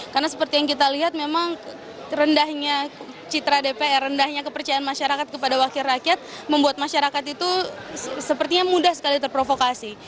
karena seperti yang kita lihat memang rendahnya citra dpr rendahnya kepercayaan masyarakat kepada wakil rakyat membuat masyarakat itu sepertinya mudah sekali terprovokasi